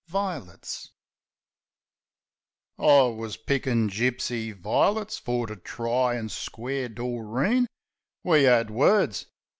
Vi'hts WUS pickin' gipsy vi'lits fer to try an' square Doreen. We 'ad words